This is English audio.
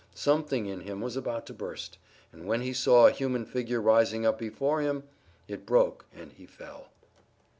Something in him was about to burst, and when he saw a human figure rising up before him it broke and he fell.